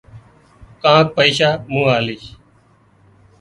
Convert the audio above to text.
ڪانڪ پئيشا مُون آليش